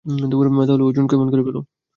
তাহলে অর্জুন কেমন করে পেলো?